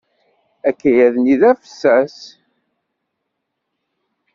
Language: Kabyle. Akayad-nni d afessas.